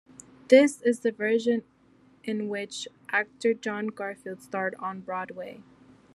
This is the version in which actor John Garfield starred on Broadway.